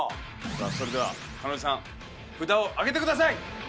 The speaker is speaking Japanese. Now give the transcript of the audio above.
さあそれでは彼女さん札を上げてください。